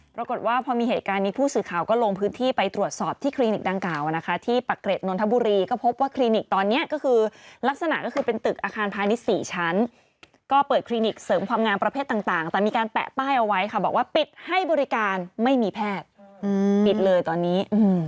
ปรากฏว่าพอมีเหตุการณ์นี้ผู้สื่อข่าวก็ลงพื้นที่ไปตรวจสอบที่คลินิกดังกล่าวนะคะที่ปักเกร็ดนนทบุรีก็พบว่าคลินิกตอนนี้ก็คือลักษณะก็คือเป็นตึกอาคารพาณิชย์๔ชั้นก็เปิดคลินิกเสริมความงามประเภทต่างแต่มีการแปะป้ายเอาไว้ค่ะบอกว่าปิดให้บริการไม่มีแพทย์ปิดเลยตอนนี้